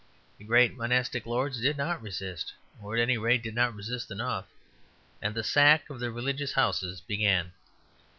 The great monastic lords did not resist, or, at any rate, did not resist enough; and the sack of the religious houses began.